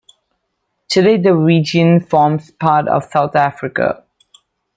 Today the region forms part of South Africa.